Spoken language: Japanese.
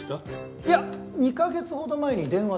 いや２カ月ほど前に電話で。